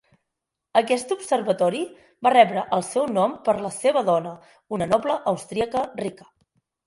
Aquest observatori va rebre el seu nom per la seva dona, una noble austríaca rica.